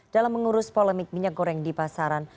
dalam mengurus polemik minyak goreng di pasaran